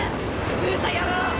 ブタ野郎！